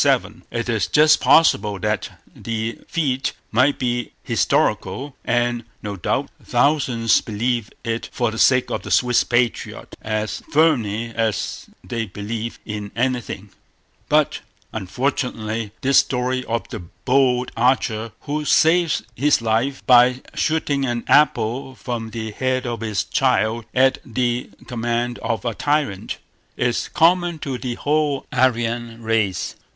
It is just possible that the feat might be historical, and, no doubt, thousands believe it for the sake of the Swiss patriot, as firmly as they believe in anything; but, unfortunately, this story of the bold archer who saves his life by shooting an apple from the head of his child at the command of a tyrant, is common to the whole Aryan race.